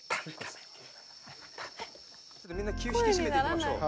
みんな気を引き締めていきましょう。